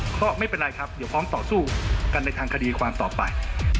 ก็ไม่เป็นไรครับเดี๋ยวพร้อมต่อสู้กันในทางคดีความต่อไป